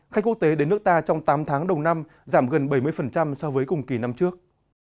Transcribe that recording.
khách quốc tế đến nước ta trong tám tháng đầu năm giảm gần bảy mươi so với cùng kỳ năm trước